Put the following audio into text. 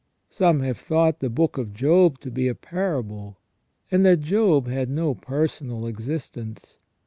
Some have thought the Book of Job to be a parable, and that Job had no personal existence.